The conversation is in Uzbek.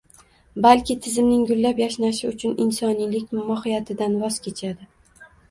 balki tizimning gullab-yashnashi uchun insoniylik mohiyatidan voz kechadi